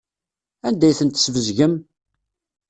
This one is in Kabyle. Anda ay ten-tesbezgem?